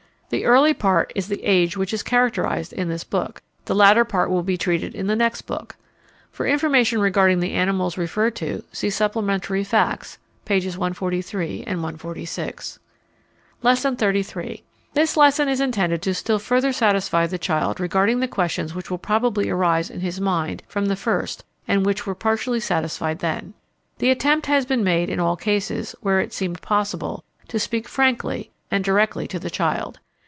The early part is the age which is characterized in this book. The later part will be treated in the next book. (For information regarding the animals referred to, see Supplementary Facts, pp. 143 and 146.) Lesson XXXIII. This lesson is intended to still further satisfy the child regarding the questions which will probably arise in his mind from the first, and which were partially satisfied then. The attempt has been made in all cases where it has seemed possible, to speak frankly and directly to the child.